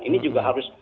ini juga harus